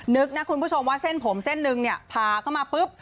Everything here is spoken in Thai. นึกนะคุณผู้ชมว่าเส้นผมเส้นหนึ่งเนี่ยพาเข้ามาปุ๊บ